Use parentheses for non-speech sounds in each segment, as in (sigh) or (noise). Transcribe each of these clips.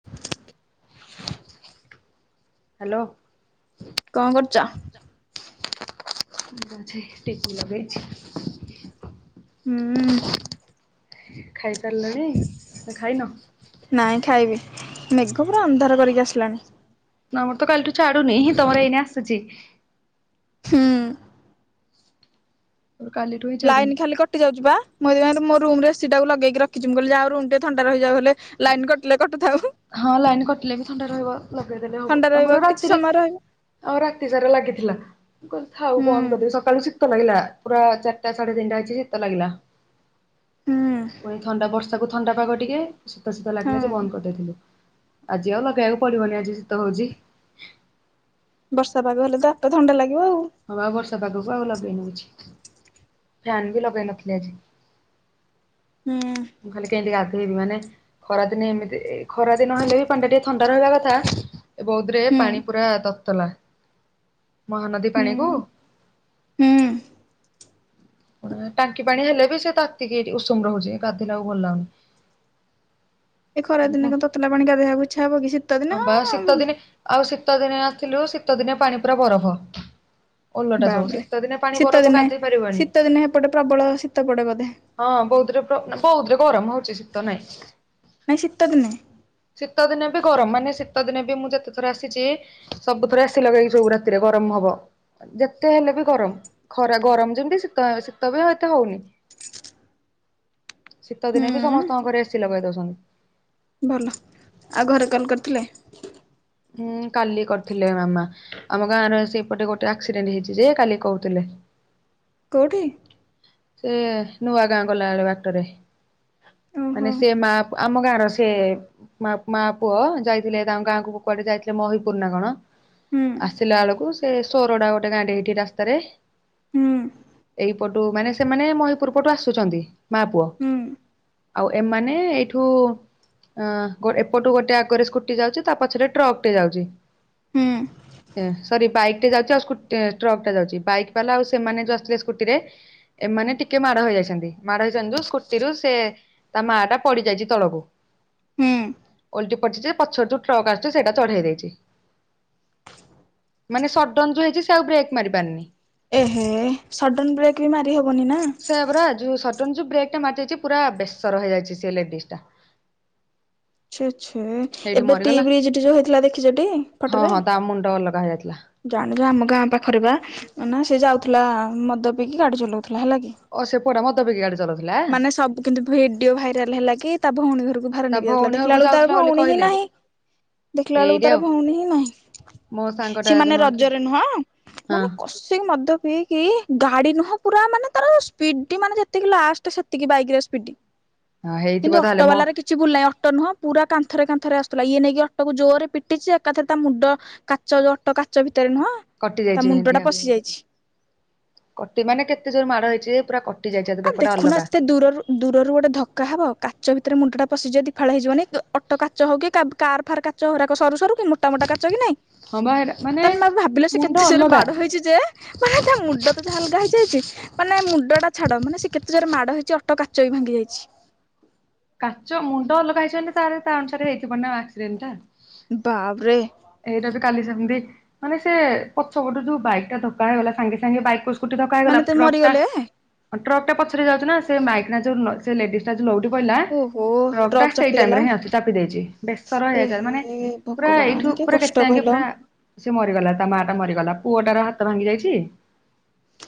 (inaudible) Hello. କଣ କରୁଚ? ଗଛେଇଟି କୁ ଲଗେଇଚି। ହୁଁ ଖାଇସାରିଲଣି ନା ଖାଇନ? ନାହିଁ ଖାଇବି ମେଗ ପୁରା ଅନ୍ଧାର କରିକି ଆସିଲାଣି। ମରତ କାଲିଠୁ ଛାଡୁନି ତମର ଏଇନେ ଆସୁଚି। ହୁଁ ରୋ କାଲିଠୁ ହିଁ ଲାଇନ୍ ଛାଡୁନି। ଖାଲି କଟି ଯାଉଚି ପା (unintelligible) ମୋ ରୁମୁ ର ଏସି ଟାକୁ ଲଗେକି ରଖିଚି ମୁଁ କହିଲି ଯାହା ରୁମ ଟେ ଥଣ୍ଡା ରହିଯାଉ ହେଲେ। ଲାଇନ୍ କଟିଲେ କଟୁଥାଉ। ହଁ ଲାଇନ୍ କଟିଲେ ବି ଥଣ୍ଡା ରହିବ ଲଗେଇଦେଲେ ହବ ଥଣ୍ଡା ରହିବ ଆମର କିଛି ରାତିରେ ସମୟ ରହିବ ଆଉ ରାତି ସାରା ଲାଗିଥିଲା କ ଥାଉ ହୁଁ ବନ୍ଦ୍ କରିଦେବି ସକାଳୁ ଶୀ ତ ଲାଗିଲା ପୁରା ଚାଟା ସାଢେ ତିନିଟା ଅଛି ଶୀତ ଲାଗିଲା ହୁଁ ପୁଣି ଥଣ୍ଡା ବର୍ଷ ତାକୁ ଥଣ୍ଡା ପାଗ ଟିକେ ଶୀତ ଶୀତ ହଁ ଲାଗିଲା ଯେ ବନ୍ଦ କରିଦେଇଥିଲୁ। ଆଜି ଆଉ ଲଗେଇବାକୁ ପଡିବନି ଆଜି ବି ଶୀତ ହଉଚି। ବର୍ଷା ପାଗ ହେଲେ ତ ଆପେ ଥଣ୍ଡା ଲାଗିବ ଆଉ। ହଁ ପା ବର୍ଷା ପାଗକୁ ଆଉ ଲଗେଇନୁ କିଛି। ଫ୍ୟାନ୍ ବି ଲଗେଇ ନଥ୍ଲି ଆଜି। ହୁଁ। ମୁଁ ଖାଲି କେମିତି ଗାଧେଇବି ମାନେ ଖରାଦିନେ ଏମିତି ଖରାଦିନ ହେଲେ ବି ପାଣ୍ଡା ଟିକେ ଥଣ୍ଡା ରହିବା କଥା ଏ ବୌଧ ରେ ହୁଁ ପାଣି ପୁରା ତତ୍ଲା ମହାନଦୀ ହୁଁ ପାଣି କୁ! ହୁଁ। ପୁଣି ଟାଙ୍କି ପାଣି ହେଲେ ବି ସେ ତାତିିି କି ହେଇଟି ଉଷୁମ୍ ରହୁଛି ଗାଧିଲା କୁ ଭଲ ଲାଗୁନି। ଏ ଖରା ଦିନେ କଣ ତତଲା ପାଣିି ଦେବାକୁ ଇ୍ଛା ହବ କି ସିତ୍ ହ ବା ଶୀତ ଦିନେ ଆଉ ଶୀତ ଦିନେ ଆଥିଲୁ ଶୀତ ଦିନେ ପାଣି ପୁରା ବରଫ। ଓଲଟା ସବୁ ବାପରେ ଶୀତ ଦିନେ ପାଣି ଶୀତ ବରଫ ଦିନେ ଗାଧେଇ ପାରିବନି। ଶୀତ ଦିନେ ହେପଟେ ପ୍ରବଳ ଶୀତ ପଡେ ବୋଧେ ହଁ ବୌଦ୍ ବୌଦ୍ ରେ ଗରମ ହଉଛି ଶୀତ ନାଇଁ। ନାଇଁ ଶୀତ ଦିନେ। ଶୀତ ଦିନେ ବି ଗରମ ମାନେ ଶୀତ ଦିନେ ବି ମୁଁ ଯେତେଥର ଆସିଛି ସବୁଥର ଏସି ଲଗେଇକି ଶୋଉ ରାତିରେ ଗରମ ହବ। ଯେତେ ହେଲେ ବି ଗରମ ଖରା ଗରମ ଯେମିତି ଶୀତ ଶୀତ ବି ଆଉ ଏତେ ହଉନି। ଶୀତ ହୁଁ ଦିନେ ବି ସମସ୍ତଙ୍କ ଘରେ ଏସି ଲଗେଇ ଦଉସନ୍ତି। ଭଲ, ଆଉ ଘରେ କଲ କରିଥିଲେ? ହୁଁ କାଲି କରିଥିଲେ ମାମା। ଆମ ଗାଁ ରେ ସେପଟେ ଗୋଟେ ଆକ୍ସିଡେଣ୍ଟ ହେଇଛି ଯେ କାଲି କହୁଥିଲେ। କୋଉଠି? ସେ ନୂଆ ଗାଁ ଗଲାବେଳେ ବାଟରେ। ଓହୋ ମାନେ ସେ ମା ପ ଆମ ଗାଁର ସେ ମା ପ ମା ପୁଅ ଯାଇଥିଲେ ତାଙ୍କ ଗାଁକୁ କୁଆଡେ ଯାଇଥିଲେ ମହିପୁର ନା କଣ? ହୁଁ ଆସିଲା ବଳକୁ ସେ ସୋରଡା ଗୋଟେ ଗାଁ ଟେ ଏଇଠି ରାସ୍ତାରେ ହୁଁ ଏଇପଟୁ ମାନେ ସେମାନେ ମହିପୁର ପଟୁ ଆସୁଛନ୍ତି ମା ପୁଅ। ହୁଁ ଆଉ ଏମାନେ ଏଇଠୁ ଆ ଏପଟୁ ଗୋଟେ ଆଗରେ ସ୍କୁଟି ଯାଉଛି ତା ପଛରେ ଟ୍ରକ ଟେ ଯାଉଛି। ହୁଁ ସରି ବାଇକ୍ ଟେ ଯାଉଛି ଆଉ ସ୍କୁ ଟ୍ରକ୍ ଟେ ଯାଉଛି, ବାଇକ୍ ବାଲା ଆଉ ସେମାନେ ଯଉଥିଲେ ସ୍କୁଟି ରେ ଏମାନେ ଟିକେ ମାଡ ହେଇଯାଇଛନ୍ତି, ମାଡ ହେଇଛନ୍ତି ସ୍କୁଟିରୁୁ ସେ ତା ମା ଟା ପଡିଯାଇଛି ତଳକୁ ହୁଁ ଓଲଟି ପଡିଚ ଯେ ପଛର ଯୋଉ ଟ୍ରକ୍ ଆସୁଛି ସେଇଟା ଚଢେଇ ଦେଇଛି। ମାନେ ସଡନ ଯୋଉ ହେଇଛି ସେ ଆଉ ବ୍ରେକ୍ ମାରି ପାରନି। ଏହେ ସଡନ ବ୍ରେକ୍ ବି ମାରି ହବନି ନା ସେ ଯୋଉ ସଡ଼ନ ଯୋଉ ବ୍ରେକ ଟା ମାରି ଦେଇଛି ପୁରା ବେଷର ହେଇଯାଇଛି ସେଇ ଲେଡ଼ିଜ ଟା। (unintelligible) ଛେ ଛେ ସେଇଠି ଏବେ ଟି ମରିଗଲା ବ୍ରିଜଠି ଯୋଉ ହେଇଥିଲା ଦେଖିଛଟି ହଁ ଫଟୋରେ? ହଁ ତା ମୁଣ୍ଡ ଅଲଗା ହେଇଯାଇଥିଲା ଜାଣଛ ଆମ ଗାଁ ପାଖରେ ବା ଅନା ସେ ଯାଉଥିଲା ମଦ ପିଇକି ଗାଡି ଚଲାଉଥିଲା ହେଲା କି ଓ ସେ ପୁଅଟା ମଦ ପିଇକି ଗାଡି ଚଳଉଥିଲା। ମାନେ ସବୁ କିନ୍ତୁ ଭିଡିଓ ଭାଇରାଲ ହେଲା କି ତା ଭଉଣୀ ଘରକୁ ଭାର ତା ନେଇକି ଯାଇଥିଲା। ଭଉଣୀ ଦେଖିଲା ଘରକୁ ବେଳକୁ ତାର ଯାଉଥିଲା ବୋଲି ଭଉଣୀ ହିଁ କହିଲେ ନାହିଁ, ଦେଖିଲା ବେଳକୁ ଏଇଠି ଆଉ ତାର ଭଉଣୀ ହିଁ ନାହିଁ। ମୋ ସାଙ୍ଗ ସେ ମାନେ ରଜରେ ନୁହଁ ମାନେ କ ସେ ମଦ ପିଇକି ଗାଡି ନୁହଁ ପୁରା ମାନେ ତାର ସ୍ପିଡ ମାନେ ଯେତିକି ଲାଷ୍ଟ ସେତିକି ବାଇକ ରେ ସ୍ପିଡ ହଁ ହେଇଥିବ କିନ୍ତୁ ତାହେଲେ ଅଟୋ ମୋ ବାଲାର କିଛି କିଛି ଭୁଲ ନାହିଁ ଅଟୋ ନୁହଁ ପୁରା କାନ୍ଥରେ କାନ୍ଥରେ ଆସୁଥିଲା, ଇଏ ନେଇକି ଅଟୋକୁ ଜୋରେ ପିଟିଛି ଏକାଥରେ ତା ମୁଣ୍ଡ କାଚ ଯୋଉ ଅଟୋ କାଚ ଭିତରେ ନୁହଁ କଟି ତା ଯାଇଛି ମୁଣ୍ଡ ଏମିତି ଟା ଆଉ ପଶି ଯାଇଛି। କଟି ମାନେ କେତେ ଜୋର ମାଡ ହେଇଛି ପୁରା କଟି ଯାଇଛି ଆ ବେକଟା ଦେଖୁନ ଅଲଗା ଏତେ ଦୂରରୁ ଦୂରରୁ ଗୋଟେ ଧକ୍କା ହବ କାଚ ଭିତରେ ମୁଣ୍ଡ ଟା ପଶିଯିବ ଦି ଫାଳ ହେଇିଯିବନି। ଅଟୋ କାଚ ହଉ କି କାର୍ ଫାର୍ କାଚ ହେଇରାକ ସରୁ ସରୁ କି ମୋଟା ମୋଟା କାଚ କି ନାଇଁ ହଁ ବା ହେଇଟା ତାହେଲେ ତମେ ଭାବିଲ ସେ କେତେ ଜୋରେ ମାଡ ହେଇଛି ଯେ, ମାନେ ତା ମୁଣ୍ଡ ତ ଯାହା ଅଲଗା ହେଇଯାଇଛି ମାନେ ମୁଣ୍ଡ ଟା ଛାଡ ମାନେ ସେ କେତେ ଜୋରେ ମାଡ ହେଇଛି ଅଟ କାଚ ବି ଭାଙ୍ଗି ଯାଇଛି। କାଚ ମୁଣ୍ଡ ଅଲଗା ହେଇଛନ୍ତି ତା ତା ଅନୁସାରେ ହେଇଥିବ ନା ଆକ୍ସିଡେଣ୍ଟ ଟା ବାବ୍ ରେ ଏଇଟା ବି କାଲି ସେମନ୍ତି ମାନେ ସେ ପଛ ଗୋଟେ ଯୋଉ ବାଇକ୍ ଟା ଧକ୍କା ହେଇଗଲା ସାଙ୍ଗେ ସାଙ୍ଗେ ବାଇକ ପଶ୍ ସ୍କୁଟି ଧକ୍କା ମାନେ ହେଇଗଲା ତେ ଟ୍ରକ୍ ଟା ମରିଗଲେ ଟ୍ରକ୍ ଟା ପଛରେ ଯାଉଛି ନା ସେ ମାଇକିନା ନା ଯୋଉ ନ ଲେଡିସ୍ ଟା ଯୋଉ ନୋଉଟି ପଇଲା ଓହୋ ଟ୍ରକ୍ ଟା ସେଇ ଟାଇମ୍ ଚାପିଦେଲା ରେ ଆସିଚି ଚାପି ଦେଇଛି ବେସର ଏ ହେଇଯାଇଛି ହେ ମାନେ ପୁରା ଏଇଠୁ ଭଗବାନ କି ପୁରା କଷ୍ଟ କେତେ ଆଙ୍କେ କହିଲ ପୁରା ସେ ମରିଗଲା ତା ମା ଟା ମରିଗଲା ପୁଅଟାର ହାତ ଭାଙ୍ଗି ଯାଇଛି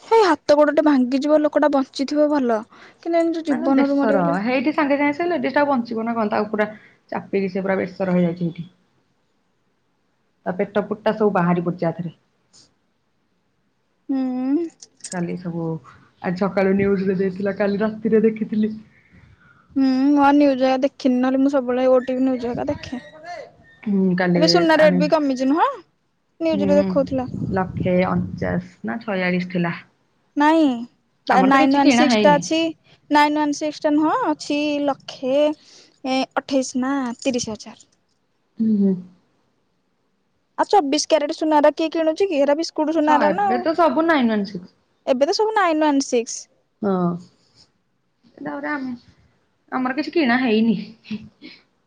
ହେ ହାତ ଗୋଡ଼ଟା ଭାଙ୍ଗିଯିବ ଲୋକଟା ବଞ୍ଚିଥିବ ଭଲ କିନ୍ତୁ ଏମିତି ଯୋଉ ମାନେ ଜୀବନରୁ ବେସର ମରିଗଲେ ହେଇଠି ସାଙ୍ଗେ ସାଙ୍ଗେ ସେ ଲେଡିଜ ଟା ବଞ୍ଚିବ ନା କଣ ତାକୁ ପୁରା ଚାପିଦେଇଚି ସେ ପୁରା଼ ବେସର ହେଇଯାଇଛନ୍ତି। ତା ପେଟ ଫୁଟା ସବୁ ବାହାରି ପଡିଚଛି ଆଥିରେ ହୁଁ କାଲି ସବୁ ଆଜି ସକାଳୁ ନ୍ୟୁଜରେ ଦେଇଥିଲା କାଲି ରାତିରେ ଦେଖିଥିଲି। ହୁଁ ମୁଁ ଆଉ ନିୁଜ୍ ଗେରା ଦେଖିନି ନହେଲେ ମୁଁ ସବୁବେଳେ ଓଟିଭି ନିୟୁଜ ଘରିକା ଦେଖେ। ହୁଁ କାଲି ଏବେ ସୁନା ରେଟ ବି ଆଣିଲି କମିଛି ନୁହଁ ନିୟୁଜରେ ହୁଁ ଦେଖଉଥିଲା। ଲକ୍ଷେ ଅଣଚାଶ୍ ନା ଛୟାଳିଶ ଥିଲା। ନାଇଁ ବା ଆମର ତ ନାଇନ୍ କିଛି ୱାନ୍ କିଣା ସିକ୍ସ ଟା ହେଇନି। ଅଛି ନାଇନ୍ ୱାନ୍ ସିକ୍ସ ଟା ନୁହଁ ଅଛି ଲକ୍ଷେ ଏଁ ଅଠେଇଶ ନା ତିରିଶ ହଜାର ହୁଁ ହୁଁ। ଆଉ ଚବିଶ କ୍ୟାରେଟ ସୁନା ଗେରା କିଏ କିଣୁଛି କି? ହେରା ବିସ୍କୁଟ ସ ସୁନା ଗୁରା ନା ଏବେ ଆଉ? ତ ସବୁ ନାଇନ୍ ୱାନ୍ ସିକ୍ସ। ଏବେ ତ ସବୁ ନାଇନ୍ ୱାନ୍ ସିକ୍ସ। ହଁ ଏଗୁରାଗୁରା ମ ଆମର କିଛି କିଣା ହେଇନି।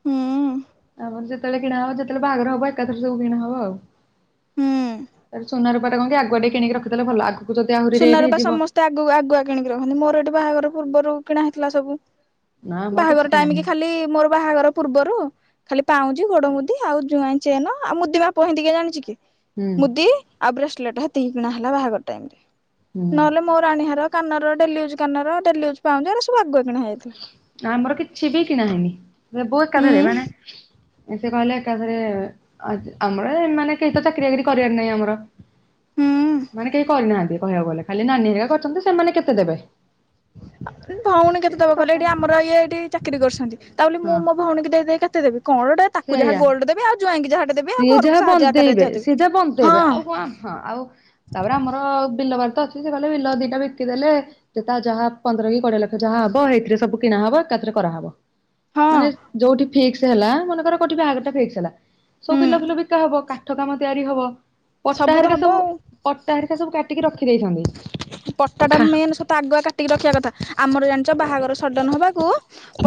ହୁଁ। ଆମର ଯେତେବେଳେ କିଣା ହବ ଯେତେବେଳେ ବାହାଘର ହବ ଏକାଥର ସବୁ କିଣା ହବ ଆଉ। ହୁଁ ତାପରେ ସୁନାର ଗୋଟେ କଣ କି ଆଗୁଆ ଟିକେ କିଣିକି ରଖି ଦେଲେ ଭଲ ଆଗୁ ସୁନ ରୂପା ସମସ୍ତେ ଆଗ ଆଗୁଆ କିଣିକି ରଖନ୍ତି ମୋର ଏଠି ବାହାଘର ପୂର୍ବରୁ କିଣା ହେଇଥିଲା ସବୁ। ନା ଆମର କିଛି ବାହାଘର କିଣା ଟାଇମି କି ହେଇନି। ଖାଲି ମୋର ବାହାଘର ପୂର୍ବରୁ ଖାଲି ପାଉଁଜି ଗୋଡ ମୁଦି ଆଉ ଯୋଆଇଁ ଚେନ ଆଉ ମୁଦିମାପ ସେତି କିଏ ଜାଣିଚି କି? ହୁଁ। ମୁଦି ଆଉ ବ୍ରେସ୍ଲେଟ୍ ସେତିକି କିିଣା ହେଲା ବାହାଘର ଟାଇମି ରେ। ହୁଁ ନଲେ ମୋ ରାଣୀହାର କାନର ଡେଲି ୟୁଜ୍ କାନର ଡେଲି ୟୁଜ୍ ପାଉଜି ଏହେରା ସବୁ ଆଗୁଆ କିଣା ହେଇଥିଲା। ଆମର କିଛି ବି କିଣା ହେଇନି ସଵୁ ଏକା ଥରେ ମାନେ ସେ କହିଲେ ଏକାଥରେ ଆମର ମାନେ କେହି ତ ଚାକିରି ବାକିରି କରିଆର ନାଇଁ ଆମର। ମାନେ କେହି କରିନାହାନ୍ତି କହିଆକୁ ଗଲେ ଖାଲି ନାନୀ ହେରିକା କରିଚନ୍ତି ସେମାନେ କେତେ ଦେବେ। ଆ (inaudible) ଭଉଣୀ କେତ୍ ସେ କେତେ ଦଵ କଇଲ ଟୋଟାଲ ଆମର ଇଏ ଏଠି ଚାକିରି କରସନ୍ତି ତା ବୋଲି ମୁଁ ହଁ ମୋ ଭଉଣୀକୁ ଦେଇ ଦେଇ କେତେ ଦେବି କଣ ଗୋଟେ ତାକୁ ଯାହା ସେଇଆ ଗୋଲ୍ଡ ଦେଵି ଆଉ ଜ୍ଵାଇଁ ଯାହା ଟେ ଦେବି। ସିଏ ଯାହା ବନ୍ଦେଇବେ ସିଏ ଯାହା ବନ୍ଦେଇବେ ହଁ ଆଉ କଁ ହଁ ଆଉ ତାପରେ ଆମର ବିଲବାରି ତ ଅଛି ସେ କଇଲେ ବିଲ ଦିଟା ବିକିଦେଲେ ଯେତେ ଯାହା ପନ୍ଦର କି କୋଡିଏ ଲକ୍ଷ ଯାହା ହବ ସେଇଥିରେ ସବୁ କିଣା ହବ ଏକା ଥରେ କରାହବ। ହଁ ମାନେ ଯୋଉଠି ଫିକ୍ସ ହେଲା ମନେକର କୋଠି ବାହାଘ ଟା ଫିକ୍ସ୍ ହେଲା। ସବୁ ହୁଁ। ବିଲାଫିଲ ବିକା ହବ କାଠ କାମ ତିଆରି ହବ ତ ପଟାହେରିକା ହବ ସବୁ ଆଉ କଟା ହେରିକା ସବୁ କାଟିକି ରଖିଦେଇଛନ୍ତି। ପଟା ଟା ମେନ୍ ସତ ଆଗୁଆ କାଟିକି ରଖିଆ କଥା ଆମର ଜାଣିଚ ବାହାଘର ସଡ଼ନ ହବାକୁ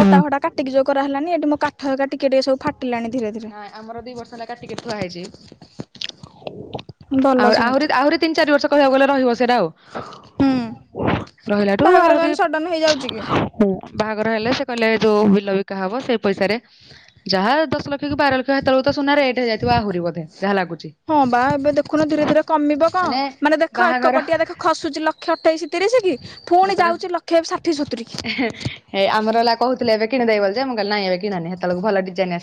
ପଟା ଫଟା କାଟିକି ଯୋଉ କରା ହେଲାନି ଏଠି ମୋ କାଠ ହେକା ଟିକେ ଟିକେ ସବୁ ଫାଟିଲାଣି ଧୀରେ ଧୀରେ। ଆମର ଦି ବର୍ଷ ହେଲା କାଟିକି ଥୁଆ ହେଇଚି। ଭଲ ଆହୁ ଆହୁରି ସେମିତି ଆହୁରି ତିନି ଚାରି ବର୍ଷ କହିବାକୁ ଗଲେ ରହିବ ସେଇଟା ଆଉ। ହୁଁ ରହିଲାଠୁ ବାହାଘର କଣ ଆହୁରି ସଡନ ହେଇଯାଉଛି କି? ହୁଁ ବାହାଘର ହେଲେ ସେ କଇଲେ ଯୋଉ ବିଲବିକା ହବ ସେଇ ପଇସାରେ ଯାହା ଦଶ ଲକ୍ଷ କି ବାର ଲକ୍ଷ ତ ହେତଳୁକୁ ତ ସୁନା ରେଟ ହେଇଯାଇଥିବ ଆହୁରି ବୋଧେ ଯାହା ଲାଗୁଛି, ହଁ ବା ଏବେ ଦେଖୁନ ଧୀରେ ଧୀରେ କମିବ କଣ ମାନେ ଦେଖ ବାହାଘର ଏକପଟିଆ ଦେଖ ଖସୁଛି ଲକ୍ଷେ ଅଠେଇଶ ତିରିଶିକି ଫୁଣି ଯେତେବେଳେ ଯାଉଛି ଲକ୍ଷେ ଷାଠିଏ ସତୁରି କି। ହେ ଆମର ହେଲା କହୁଥିଲେ ଏବେ କିଣଦେ ବୋଲ ଯେ ମୁଁ କଇଲି ନାଇଁ ଏବେ କିଣନିି।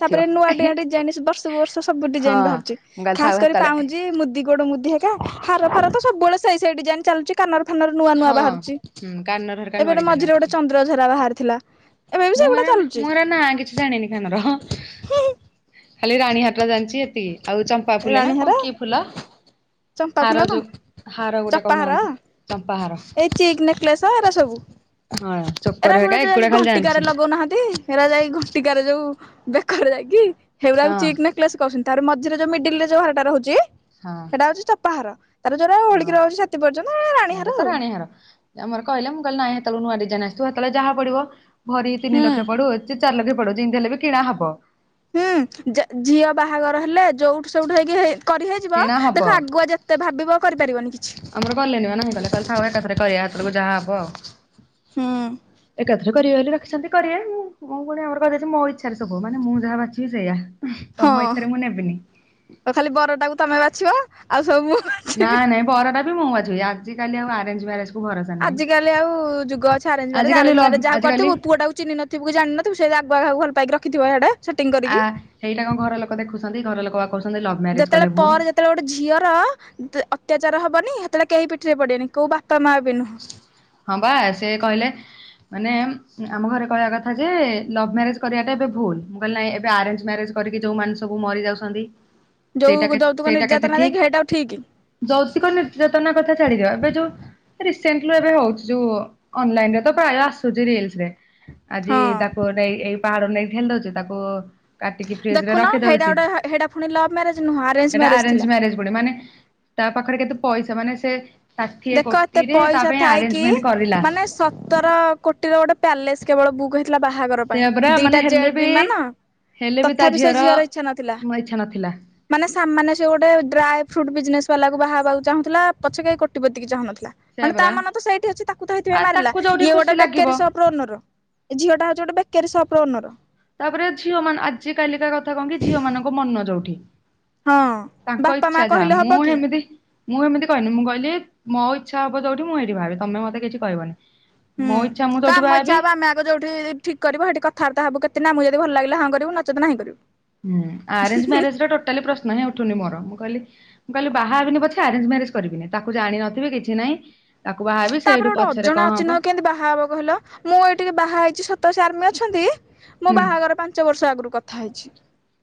ତାପରେ ନୂଆ ଡିଆଁ ଡିଜାଇନ ବର୍ଷକୁ ବର୍ଷ ସବୁ ହଁ ଡିଜାଇନ ବାହାରୁଛି ମୁଁ କହିଲି ଥାଉ ଖାସ କରି ହେତେବେଳେ ପାଉଁଜି ମୁ ଦି ଗୋଡ ମୁଦି ହେକା ହାର ଫାର ତ ସବୁବେଳେ ସେଇ ସେଇ ଡିଜାଇନ ଚାଲୁଛି। କାନର ଫାନର ନୂଆ ନୂଆ ହଁ ବାହାରୁଛି, ହୁଁ କାନର ହେରିକା ନୂଆ ଏବେଟେ ଡିଜାଇନ ମଝିରେ ଗୋଟେ ଆସୁଛି। ଚନ୍ଦ୍ରଝରା ବାହାରିଥିଲା। ଏବେ ବି ମୁଁ ସେଗୁଡା ହେରା ଚାଲୁଛି ମୁ ହେରା ନା କିଛି ଜାଣିନି କାନର ଖାଲି ରାଣୀହାର୍ଟା ଜାଣିଛି ଏତିକି ଆଉ ଚ ପା ଫୁଲ ନା ରାଣୀହାର କଁ କି ଫୁଲ? ଚମ୍ପା ଫୁଲ ହାର କଣ ଯୋଉ ହାର ଗୋଟେ ଚପାହାର କହୁନାହାନ୍ତି ଚମ୍ପା ହାର। ଏଇ ଚିକ୍ ନେକଲେସ ଏରା ସବୁ ହଁ। ଚୋକର ଏରା ଗୁଡା ହେରିକା ଯୋଉ ଯାଇକି ଏଗୁଡା ଖାଲି ଘଣ୍ଟିକାରେ ଜାଣିଛି ଲଗୋଉନାହାନ୍ତି, ହେରା ଯାଇ ଘଣ୍ଟିକାରେ ଯୋଉ ବେକରେ ଯାଇକି ହେଉରାକୁ ହଁ ଚିକ୍ ନେକ୍ଲେସ କହୁଛନ୍ତି, ତାହାର ମଝିରେ ଯୋଉ ମିଡିଲରେ ଯୋଉ ହାରଟା ରହୁଛି ହଁ। ପାଉଚିସଟା ପାହାର ତାର ଯୋଉଟା ଓଳିକି ରଉଚି ଛତି ପର୍ଯ୍ୟନ୍ତ ଏ ରାଣୀହାର ଆଉ। ନ୍ୟର ଆମର କହିଲେ ମୁଁ କହିଲି ନାଇଁ ହେତଳୁକୁ ନୂଆ ଡିଜାଇନ ଆସିଥିବ ହେତଳେ ଯାହା ପଡିବ ଭରି ତିନି ହୁଁ। ଲକ୍ଷ ପଡୁ କି ଚାର ଲଖେ ପଡୁ ଯିମିତି ହେଲେ ବି କିଣା ହବ। ହୁଁ ଜ ଝିଅ ବାହାଘର ହେଲେ ଯୋଉଠୁ ସୋଉଠୁ ହେଇକି ହେ କରି ହେଇଯିବ, କିଣା ହବ ଦେଖ ଆଗୁଆ ଯେ ତେ ଭାବିବ କରିପାରିବନି। କିଛି ଆମର କଲେନିପା ନାହିଁ କଲେ କଇଲେ ଥାଉ ଏକାଥରେ କରିବା ଆଥରକୁ ଯାହା ହବ ହୁଁ ଆଉ। ଏକା ଥ୍ରେ କରିବେ ବୋଲି ରଖିଛନ୍ତି କରିବେ ମୁ ମୁଁ ପୁଣି ଆମର କଇଦେଇଚି ମୋ ଇଚ୍ଛାରେ ସବୁ ହବ, ମାନେ ମୁଁ ଯାହା ବାଛିବି ସେୟା। ହଁ ତମ ଇଚ୍ଛାରେ ମୁଁ ନେବିନି। ତ ଖାଲି ବରଟାକୁ ତମେ ବାଛିବ ଆଉ ସବୁ ମୁ ନାଇଁ ନାଇଁ ବର ଟା ବି ମୁଁ ବାଛିବି ଆଜିିକାଲି ଆଉ ଆରେଞ୍ଜ ମ୍ୟାରେଜ କୁ ଭରସା ନାହିଁ ଆଜିିକାଲି ଆଉ-ଉ ଯୁଗ ଅଛି ଆରେଞ୍ଜ ମାରେଜ ଆଜିକାଲି ଆରେଞ୍ଜ ଲଭ୍ ମ୍ୟାରେଜ ଯାହା କରିଥିବୁ ଆଜିକାଲି ପୁଅ ଟାକୁ ଚିହ୍ନି ନ ଥିବୁ କି ଜାଣି ନ ଥିବୁ ସେ ଆଗୁଆ କାହାକୁ ଭଲ ପାଇକି ରଖି ଥିବ ହେଆଡେ। ସେଟିଂ ଆ କରିକି ସେଇଟା କଁ ଘର ଲୋକ ଦେଖୁଛନ୍ତି ଘର ଲୋକ ବା କହୁଛନ୍ତି ଲ ଯେତେବେଳେ ପରେ ଯେତ୍ ତେଳେ ଗୋଟେ ଝିଅର ତ ଅତ୍ୟାଚାର ହବନି ହେତେଳେ କେହି ପିଠିରେ ପଡିବେନି କୋଉ ବାପା ମାଆ ବି ନୁହଁ ହଁ ବା ସେ କହିଲେ ମାନେ ଆମ ଘରେ କହିବା କଥା ଯେ ଲଭ୍ ମ୍ୟାରେଜ କରିବାଟା ଏବେ ଭୁଲ ମୁଁ କହିଲି ନାଇଁ ଏବେ ଆରେଞ୍ଜ ମ୍ୟାରେଜ କରିକି ଯୋଉ ମାନେ ସବୁ ମରି ଯାଉଛନ୍ତି। ଯୋଉ ସେଇଟା ଯୌତୁକ ନିର୍ଯାତନା ଦେଇକି ହେଇଟାଉ ଠିକ। ଯୌତୁକ ନିର୍ଯାତନା କଥା ଛାଡିଦିଅ ଏବେ ଯୋଉ ରିସେଣ୍ଟଲି ଏବେ ହଉଛି ଯୋଉ ଅନଲାଇନ ରେ ତ ପ୍ରାୟ ଆସୁଛି ରିଲ୍ସ ରେ। ଆଜି ହଁ ତାକୁ ଗୋଟେ ଏଇ ପାହାଡରୁ ନେଇକି ଠେଲି ଦଉଛି, ତାକୁ କାଟିକି ଫ୍ରିଜ ରେ ଦେଖୁନ ରଖି ହେଇଟା ଦଉଛି, ଗୋଟେ ହେଇଟା ପୁଣି ଲଭ୍ ମ୍ୟାରେଜ ନୁହଁ ସେଟା ଆରେଞ୍ଜ ଥିଲା ମ୍ୟାରେଜ ପୁଡି ମାନେ ତା ପାଖରେ କେତେ ପଇସା ମାନେ ସେ ଷାଠିଏ କୋ ତେ ପଇସା ଥାଉକି ମାନେ ସତର କୋଟିର ଗୋଟେ ପ୍ୟାଲେସ୍ କେବଳ ବୁକ୍ ହେ ଥିଲା ବାହାଘର ପାଇଁ, ସେଇଆ ପରା ମାନେ ଦିଟା ହେଲେ ଜେଟ୍ ବି ବିମାନ ହେଲେ ବି ତା ତଥାପି ସେ ଝିଅର ଇଚ୍ଛା ନଥିଲା। ମୋ ଇଚ୍ଛା ନଥିଲା ମାନେ ସାମାନ୍ୟ ସେ ଗୋଟେ ଡ୍ରାଏ ଫ୍ରୁଟ୍ ବିଜନେସ ବାଲାକୁ ବାହା ହେବାକୁ ଚାହୁଁଥିଲା ପଛେକେ କୋଟିପତିକି ଚାହୁଁନଥିଲା। ସେଇଆ ମାନେ ତା ପରା ମନ ତ ସେଇଠି ଅଛି ତାକୁ ତ ହେଥିପାଇଁ ଆଉ ମାରିଲା, ତାକୁ ଯୋଉଠି ଇଏ ଖୁସି ଗୋଟେ ଲାଗିବ ବେକାରୀ ସପର ଓନର ଏ ଝିଅଟା ହଉଚି ଗୋଟ ବେକାରୀ ସପର ଓନର। ତାପରେ ଝିଅ ମାନ ଆଜି କାଲିକା କଥା କଣ କି ଝିଅ ମାନଙ୍କ ମନ ଯୋଉଠି। ହଁ ତାଙ୍କ ବାପା ମା ଇଛା ଯାହା କହିଲେ ହବ ମୁଁ କି ହେମିତି ମୁଁ ଏମିତି କହନି ମୁଁ କହିଲି ମୋ ଇଛା ହବ ଯୋଉଠି ମୁଁ ହେଇଠି ବାହାହେବି ତମେ ମତେ କିଛି କହିବନି। ହୁଁ ମୋ ଇଚ୍ଛା ମୁଁ ଯୋଉଠି କାମ ଇଚ୍ଛା ବାହାହେବି ହବ ଆମେ ଆଗ ଯୋଉଠି ଠିକ୍ କରିବ ସେଠୀ କଥା ବାର୍ତ୍ତା ହେବୁ କେତେ ଆମକୁ ଯଦି ଭଲ ଲାଗିଲା ହଁ କରିବୁ ନଚେତ ନାହିଁ କରିବୁ। ହୁଁ ଆରେଞ୍ଜ ମ୍ୟାରେଜ ର ଟୋଟାଲି ପ୍ରଶ୍ନ ହିଁ ଉଠୁନି ମୋର ମୁଁ କହିଲି ମୁଁ କହିଲି ବାହା ହେବିନି ପଛେ ଆରେଞ୍ଜ ମ୍ୟାରେଜ କରିବିନି ତାକୁ ଜାଣିିନଥିଵି କିଛି ନାଇଁ। ତାପରେ ଗୋଟେ ଅଜଣା ଅଛିିନ୍ କେନ୍ତି ବାହାହବ କହିଲ ମୁଁ ଏଇ ଟିକେ ବାହା ହେଇଚି ସତ ସେ ଆର୍ମି ଅଛନ୍ତି। ମୋ ହୁଁ ବାହାଘର ପାଞ୍ଚ ବର୍ଷ ଆଗରୁ କଥା ହେଇଛି।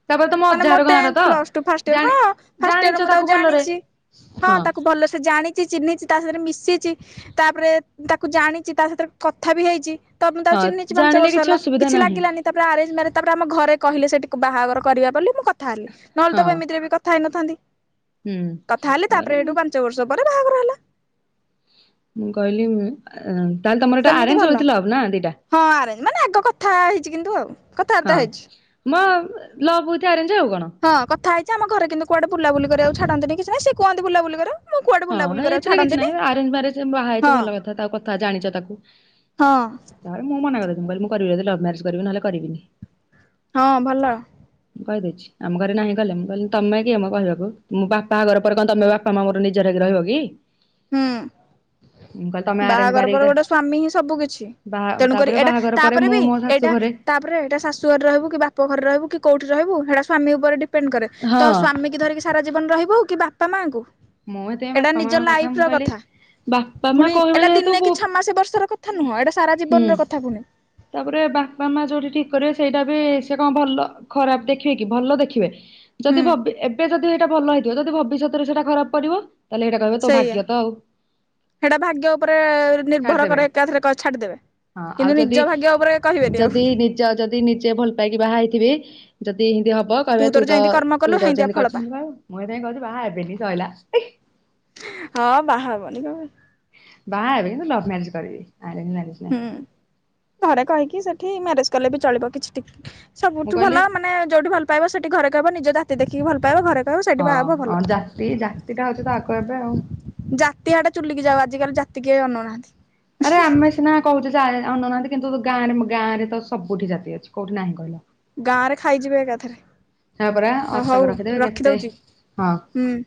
ତାପରେ ତମ ମାନେ ଅଜାଘର ମତେ ଗାଁର ତ ପ୍ଲସ୍ ଟୁ ଫାର୍ଷ୍ଟ ୟର ଜାଣି ହଁ ଫାର୍ଷ୍ଟ ୟର ଜାଣିଛ ରୁ ମୁ ତାକୁ ଭଲରେ ଜାଣିଚି। ହଁ ତାକୁ ଭଲସେ ଜାଣି ଚିହ୍ନିଚି ତା ସାଥିରେ ମିଶିଚି ତାପରେ ତାକୁ ଜାଣିଚି ତା ସହିତରେ କଥା ବି ହେଇଚି। ତ ମୁଁ ତାକୁ ହଁ ଚିହ୍ନିଚି ପାଞ୍ଚ ଜାଣିଲେ ବର୍ଷ ହେଲା ଅସୁବିଧା କିଛି ନାହିଁ ଲାଗିଲାନି। ତାପରେ ଆରେଞ୍ଜ ମ୍ୟାରେଜ ତାପରେ ଆମ ଘରେ କହିଲେ ସେଇଟିକୁ ବାହାଘର କରିବା ବୋଲି ମୁ କଥା ହେଲି ନହଲେ ହଁ ତ ଏମିତିରେ ବି କଥା ହେଇନଥାନ୍ତି ହୁଁ କଥା ହେଲେ ତାପରେ ଏଇଠୁ ପାଞ୍ଚ ବର୍ଷ ପରେ ବାହାଘର ହେଲା। ମୁଁ କହିଲି ଉଁ ତାହେଲେ ତମର ଏଟା ସେମିତି ଆରେଞ୍ଜ ଭଲ ୱିଥ ଲଭ ନା ଦିଟା? ହଁ ଆରେଞ୍ଜ ମାନେ ଆଗ କଥା ହେଇଚି କିନ୍ତୁ ଆଉ। କଥାବାର୍ତ୍ତା ହଁ ହେଇଛି ମୋ ଲଭ ଉଇଥି ଆରେଞ୍ଜ ଆଉ କଣ। ହଁ କଥା ହେଉଚି ଆମ ଘରେ କିନ୍ତୁ କୁଆଡେ ବୁଲା ବୁଲି କରିବାକୁ ଛାଡନ୍ତିନି କି ସେ କୁହନ୍ତି ବୁଲା ବୁଲି କରେ। ହଁ ଏଇଥିରେ କିଛି ନାହିଁ ଆରେଞ୍ଜ୍ ମେରେଞ୍ଜ ବାହା ହେଇଚ ହଁ ଭଲ କଥା ତା କଥା ଜାଣିଚ ତାକୁ। ହଁ ଘରେ ମୁଁ ମନା କରିଚି ମୁଁ କହିଲି କରିବି ଯଦି ଲଭ ମ୍ୟାରେଜ କରିବି ନହେଲେ କରିବିନି। ହଁ ଭଲ। ମୁଁ କହିଦେଇଚି। ଆମ ଘରେ ନାହିଁ କଲେ ମୁଁ କହିଲି ତମେ କିଏମ କହିବାକୁ ମୋ ବାପା ବାହାଘର ପରେ କଣ ତମେ ବାପା ମା ମୋର ନେ ନିଜର ହେଇକି ରହିବ କି। ହୁଁ। ମୁଁ କହିଲି ତମେ ଆରେଞ୍ଜ ବାହାଘର ମ୍ୟାରେଜ ପରେ କରି ଗୋଟେ ସ୍ଵାମୀ ହିଁ ସବୁ କିଛି ବାହା ତେଣୁ କରି ତାପରେ ଏଇଟା ବାହାଘର ପରେ ତାପରେ ମୁଁ ବି ମୋ ଶାଶୁ ଏଇଟା ଘରେ ତା (unintelligible) ଏଇଟା ଶାଶୁ ଘରେ ରହିବୁ କି ବାପ ଘରେ ରହିବୁ କି କୋଉଠି ରହିବୁ ହେଇଟା ସ୍ୱାମୀ ଉପରେ ଡିପେଣ୍ଡେ କରେ ତ ହଁ। ସ୍ୱାମୀ ସ୍ୱାମୀ ଧରିକି ଜୀବନ ସାରା ରହିବୁ କି ବାପା ମା ଙ୍କୁ? ମଁ ଏତେ ବାପା ମାଙ୍କ କଥା ମୁଁ କହିଲି ବା ପୁଣି ଏଇଟା ଦିନେ କି ଛଅମାସେ ବର୍ଷର କଥା ନୁହଁ ଏଇଟା ସାରା ହୁଁ। ଜୀବନର କଥା ପୁଣି। ତାପରେ ବାପା ମା ଯୋଉଠି ଠିକି କରିବେ ସେଇଟା ବି ସେ କଣ ଭଲ ଖରାପେ ଦେଖିବେ କି ଭଲ ଦେଖିବେ। ଯଦି ହୁଁ ଭ ଏବେ ଯଦି ଏଇଟା ଭଲ ହେଇଥିବ ଯଦି ଭବିଷ୍ୟତରେ ସେଇଟା ଖରାପ କରିବ। ତାହେଲେ ସେଇଟା କହିବେ ତୋ ଭାଗ୍ୟ ତ ଆଉ। ହେଇଟା ଭାଗ୍ୟ ଉପରେ ନିର୍ଭର କରେ ଛାଡିଦେବେ। ଏକାଥରେ ଛାଡିଦେବେ ହଁ ଆଉ କିନ୍ତୁ ଯଦି ନିଜ ଭାଗ୍ୟ ଉପରେ କହିବେନି ଆଉ ଯଦି ନିଜ ଯଦି ନିଜେ ଭଲ ପାଇକି ବାହା ହେଇଥିବେ ଯଦି ଏନ୍ତି ହବ କହିବେ ତୋର ତୁ ତ ଯେମିତି କର୍ମ କଲୁ ତୁ ତ ହେମିତିଆ ଯେମିତି ଫଳ କରିଚୁ ପା। ସେମିତି ପାଇବୁ ମୁଁ ହେଇଥି ପାଇଁ କହୁଚି ବାହା ହେବିନି ସଇଲା। ହଁ ବାହା ହବନି କଁ ପାଇଁ? ବାହା ହେବେ କିନ୍ତୁ ଲଭ୍ ମ୍ୟାରେଜ କରିଵି ଆ ହୁଁ ଘରେ କହିକି ସେଠି ମ୍ୟାରେଜ କଲେ ବି ଚଳିବ କିଛି ମୁଁ ସବୁଠୁ କହିଲି ଭଲ ମାନେ ଯୋଉଠି ଭଲ ପାଇବ ସେଠି ଘରେ କହବ ନିଜ ଜାତି ଦେଖିକି ଭଲ ପାଇବ ଘରେ କହିବ ସେଇଠି ବାହା ହବ ଭଲ। ହଁ ଜାତି ଜାତିଟା ହଉଚି ତ ଆଗ ଏବେ ଆଉ। ଜାତି ଆଡେ ଚୁଲିକି ଯାଉ ଆଜିକାଲି ଜାତି କିଏ ଅନଉଁ ନାହାନ୍ତି। ଆରେ ଆମେ ସିନା କହୁଚି ସେ ଆଏ ଅନଉ ନାହାନ୍ତି କିନ୍ତୁ ଗାଁରେ ମ ଗାଁରେ ତ ସବୁଠି ଜାତି ଅଛି କୋଉଠି ନାହିଁ କହିଲ? ଗାଁ ରେ ଖାଇଯିବେ ହଁ ପରା ଏକାଥରେ ହଁ ଅଟକ ହଉ ରଖିଦେବେ କେତେ ରଖିଦଉଚି? ହଁ। ହୁଁ।